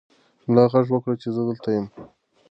ملا غږ وکړ چې زه دلته یم.